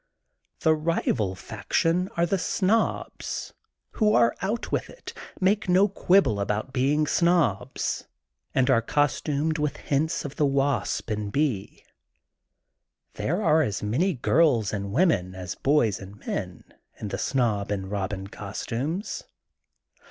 The rival 142 THE GOLDEN BOOK OF SPRINGFIELD faction are the Snobs, who are out with it, make no quibble about being snobs, and are costumed with hints of the wasp and bee. There are as many girls and women, as boys and men, in the Snob and Bobin costumes.